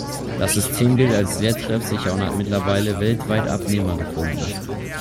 Das System gilt als sehr treffsicher und hat mittlerweile weltweit Abnehmer gefunden.